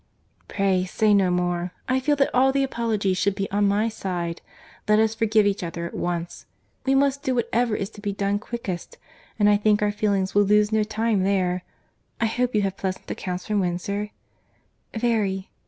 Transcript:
"Pray say no more. I feel that all the apologies should be on my side. Let us forgive each other at once. We must do whatever is to be done quickest, and I think our feelings will lose no time there. I hope you have pleasant accounts from Windsor?" "Very."